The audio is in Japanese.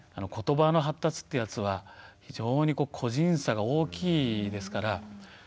ことばの発達ってやつは非常に個人差が大きいですから。